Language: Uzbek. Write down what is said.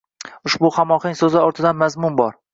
Ushbu hamohang so‘zlar ortidagi mazmun bor.